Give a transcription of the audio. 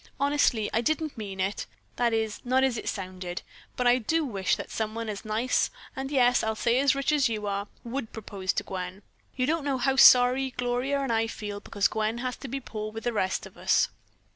Honestly, I didn't mean it that is, not as it sounded. But I do wish that someone as nice and yes, I'll say as rich as you are, would propose to poor Gwen. You don't know how sorry Gloria and I feel because Gwen has to be poor with the rest of us."